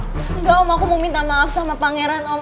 enggak om aku mau minta maaf sama pangeran om